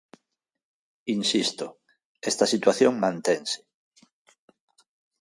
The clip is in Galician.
Insisto, esta situación mantense.